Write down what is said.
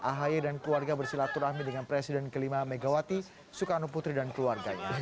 ahaye dan keluarga bersilaturahmi dengan presiden ke lima megawati soekarno putri dan keluarganya